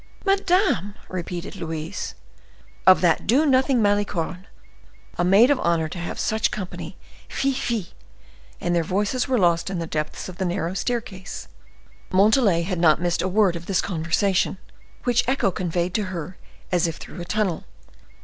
"Madame!" repeated Louise. "Of that do nothing Malicorne! A maid of honor to have such company—fie! fie!" and their voices were lost in the depths of the narrow staircase. Montalais had not missed a word of this conversation, which echo conveyed to her as if through a tunnel.